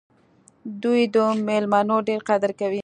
دوی د میلمنو ډېر قدر کوي.